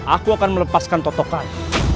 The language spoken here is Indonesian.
aku akan melepaskan totokan